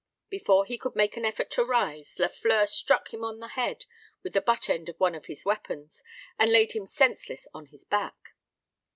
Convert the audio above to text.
Before he could make an effort to rise, Lafleur struck him on the head with the butt end of one of his weapons, and laid him senseless on his back.